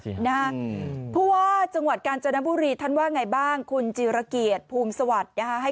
เพราะจังหวัดกาญจนบุรีท่านว่าไงบ้างคุณจิรเกียรพูมสวัสดิ์